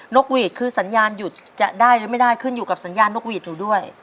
กหวีดคือสัญญาณหยุดจะได้หรือไม่ได้ขึ้นอยู่กับสัญญาณนกหวีดหนูด้วย